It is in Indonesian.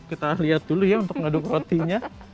kita lihat dulu ya untuk ngaduk rotinya